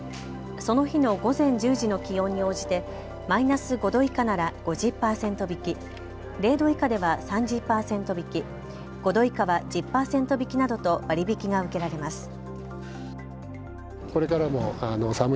その日の午前１０時の気温に応じてマイナス５度以下なら５０％引き、０度以下では３０％引き、５度以下は１０％引きなどと割り引きが受けられます。